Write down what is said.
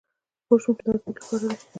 پوه شوم چې دا زمونږ لپاره دي.